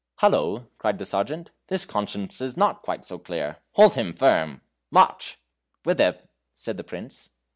"Hallo!" cried the sergeant, "this conscience is not quite so clear; hold him firm; march!" "Whither?" said the Prince.